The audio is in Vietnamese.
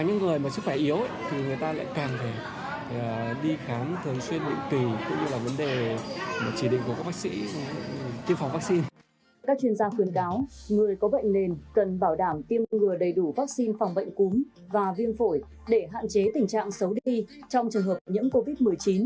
người có bệnh nền cần bảo đảm tiêm ngừa đầy đủ vaccine phòng bệnh cúm và viêm phổi để hạn chế tình trạng xấu đi trong trường hợp những covid một mươi chín